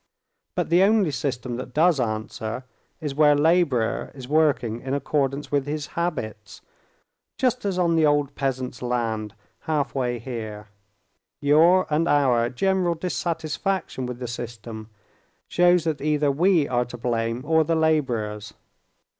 But the only system that does answer is where laborer is working in accordance with his habits, just as on the old peasant's land half way here. Your and our general dissatisfaction with the system shows that either we are to blame or the laborers.